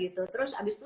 terus abis itu